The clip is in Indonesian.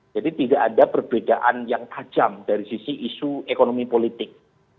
jadi tidak ada perbedaan yang tajam dari sisi isu ekonomi politik